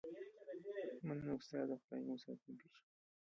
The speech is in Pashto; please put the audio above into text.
مننه استاده خدای مو ساتونکی شه